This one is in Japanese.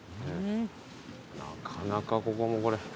なかなかここもこれ。